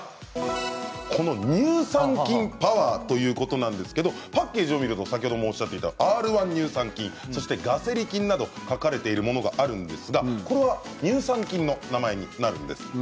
この乳酸菌パワーということでパッケージを見るとＲ−１乳酸菌、そしてガセリ菌など書かれているものがあるんですがこれは乳酸菌の名前になるんです。